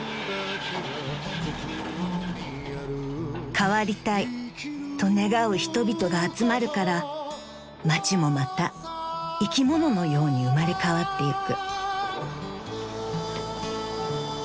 ［変わりたいと願う人々が集まるから町もまた生き物のように生まれ変わってゆく］